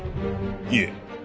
いえ。